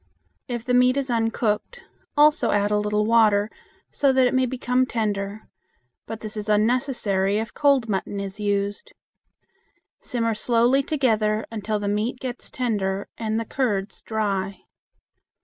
If the meat is uncooked, also add a little water, so that it may become tender; but this is unnecessary if cold mutton is used. Simmer slowly together until the meat gets tender and the curds dry.